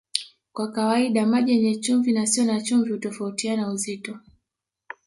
Kwa kawaida maji yenye chumvi na yasiyo na chumvi hutofautiana uzito